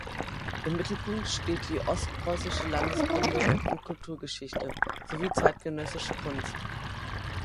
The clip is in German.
Im Mittelpunkt steht die ostpreußische Landeskunde und Kulturgeschichte sowie zeitgenössische Kunst.